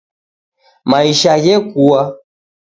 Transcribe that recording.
Maisha ghekua